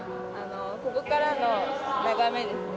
ここからの眺めですね。